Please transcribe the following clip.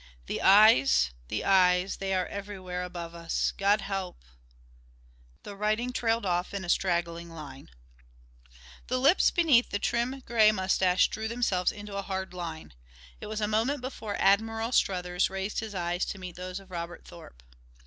"The eyes the eyes they are everywhere above us God help " The writing trailed off in a straggling line. The lips beneath the trim gray mustache drew themselves into a hard line. It was a moment before Admiral Struthers raised his eyes to meet those of Robert Thorpe.